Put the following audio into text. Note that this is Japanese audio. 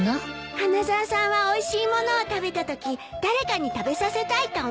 花沢さんはおいしい物を食べたとき誰かに食べさせたいと思う？